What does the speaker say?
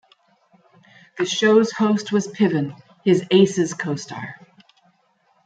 The show's host was Piven, his "Aces" co-star.